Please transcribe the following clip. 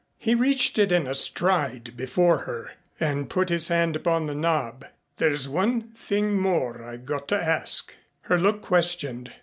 He reached it in a stride before her and put his hand upon the knob. "There's one thing more I've got to ask." Her look questioned.